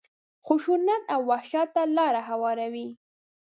خشونت او وحشت ته لاره هواروي.